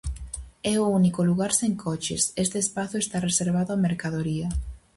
É o único lugar sen coches, este espazo está reservado á mercadoría.